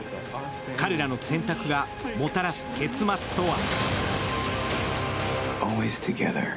彼らの選択がもたらす結末とは？